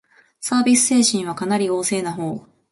サービス精神はかなり旺盛なほう